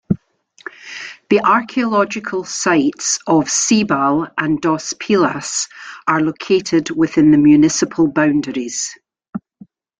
The archaeological sites of Ceibal and Dos Pilas are located within the municipal boundaries.